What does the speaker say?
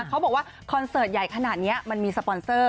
เขาบอกว่าคอนเสิร์ตใหญ่ขนาดนี้มันมีสปอนเซอร์